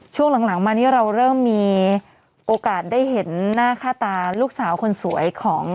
ช่วงหลังมานี้เราเริ่มมีโอกาสได้เห็นหน้าค่าตาลูกสาวคนสวยของ